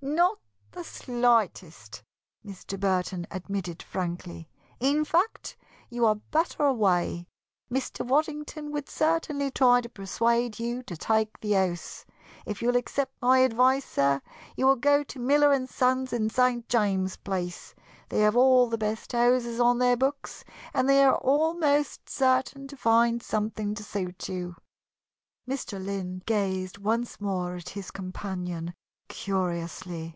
"Not the slightest," Mr. Burton admitted frankly, "in fact you are better away. Mr. Waddington would certainly try to persuade you to take the house. If you'll accept my advice, sir, you will go to Miller & Sons in St. James's Place. They have all the best houses on their books and they are almost certain to find something to suit you." Mr. Lynn gazed once more at his companion curiously.